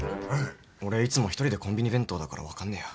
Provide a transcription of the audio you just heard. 俺いつも１人でコンビニ弁当だから分かんねえや。